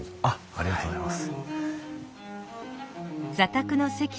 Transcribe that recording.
ありがとうございます。